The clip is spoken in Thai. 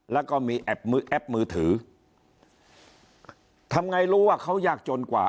แล้วก็มีแอปมือแอปมือถือทำไงรู้ว่าเขายากจนกว่า